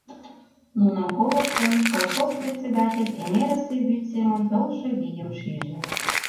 Нуным колыштын, колхоз председатель эҥерысе вӱд семын толшо вийым шиже.